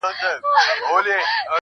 اوس دادی.